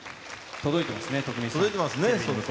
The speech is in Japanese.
届いてますね。